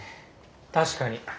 確かに。